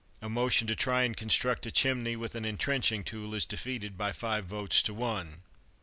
A motion to try and construct a chimney with an entrenching tool is defeated by five votes to one